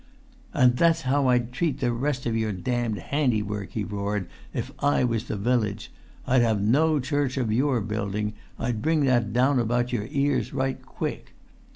"And that's how I'd treat the rest of your damned handiwork," he roared, "if I was the village! I'd have no church of your building; I'd bring that down about your ears right quick!"